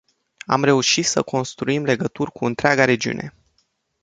Am reușit să construim legături cu întreaga regiune.